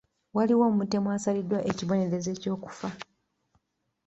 Waliwo omutemu asaliddwa ekibonerezo eky'okufa.